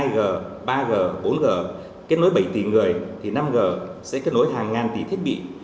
hai g ba g bốn g kết nối bảy tỷ người thì năm g sẽ kết nối hàng ngàn tỷ thiết bị